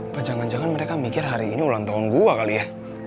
bajangan jangan mereka mikir hari ini ulang tahun gue kali ya